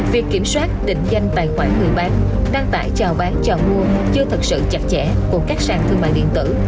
việc kiểm soát định danh tài khoản người bán đăng tải chào bán chào mua chưa thật sự chặt chẽ của các sàn thương mại điện tử